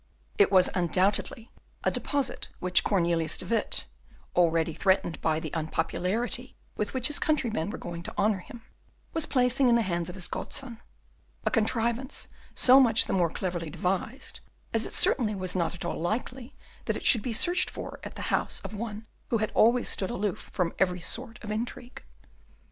It was undoubtedly a deposit which Cornelius de Witt, already threatened by the unpopularity with which his countrymen were going to honour him, was placing in the hands of his godson; a contrivance so much the more cleverly devised, as it certainly was not at all likely that it should be searched for at the house of one who had always stood aloof from every sort of intrigue.